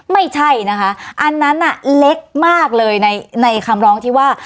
ไม่ใช่นะคะอันนั้นน่ะเล็กมากเลยในคำร้องที่ว่า